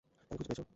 তাকে খুঁজে পেয়েছো?